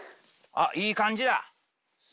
いい感じだ。